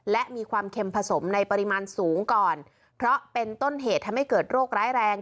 และมีความเค็มผสมในปริมาณสูงก่อนเพราะเป็นต้นเหตุทำให้เกิดโรคร้ายแรง